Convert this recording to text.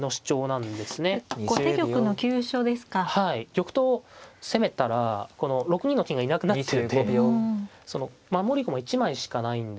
玉頭を攻めたらこの６二の金がいなくなってるんでその守り駒１枚しかないんですよね。